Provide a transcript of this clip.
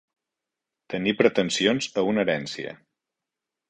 Tenir pretensions a una herència.